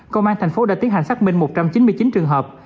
công an tp hcm đã tiến hành xác minh một trăm chín mươi chín trường hợp